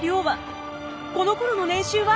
この頃の年収は？